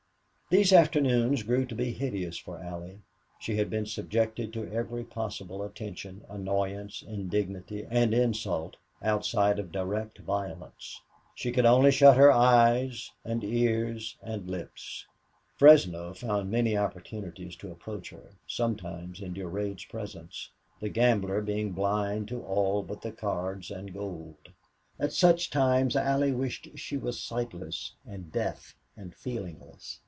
These afternoons grew to be hideous for Allie. She had been subjected to every possible attention, annoyance, indignity, and insult, outside of direct violence. She could only shut her eyes and ears and lips. Fresno found many opportunities to approach her, sometimes in Durade's presence, the gambler being blind to all but the cards and gold. At such times Allie wished she was sightless and deaf and feelingless.